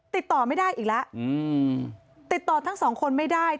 ติดต่อไม่ได้อีกแล้วติดต่อทั้งสองคนไม่ได้